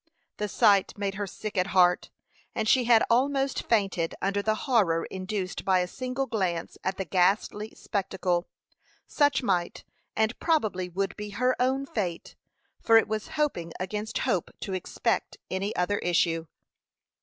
The sight made her sick at heart, and she had almost fainted under the horror induced by a single glance at the ghastly spectacle. Such might, and probably would be her own fate, for it was hoping against hope to expect any other issue.